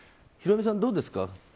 ヒロミさん、どうですか？